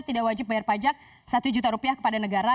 tidak wajib bayar pajak satu juta rupiah kepada negara